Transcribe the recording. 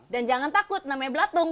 dan jangan takut namanya belatung